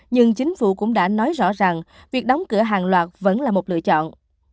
nhưng chính phủ cũng đã nói rõ rằng việc đóng cửa hàng loạt vẫn là một lựa chọn